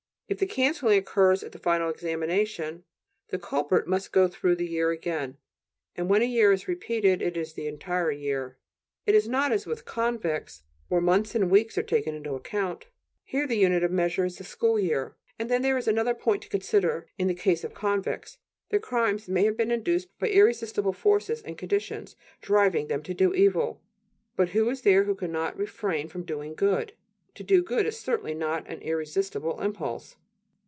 If the canceling occurs at the final examination, the culprit must go through the year again, and when a year is repeated it is the entire year. It is not as with convicts, where months and weeks are taken into account. Here the unit of measurement is the school year. And then there is another point to consider in the case of convicts: their crimes may have been induced by irresistible forces and conditions, driving them to do evil.... But who is there who cannot refrain from doing good? To do good is certainly not an irresistible impulse!